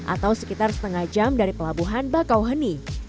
atau sekitar setengah jam dari pelabuhan bakau heni